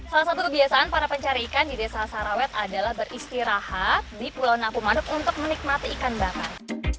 salah satu kebiasaan para pencari ikan di desa sarawet adalah beristirahat di pulau napu manuk untuk menikmati ikan bakar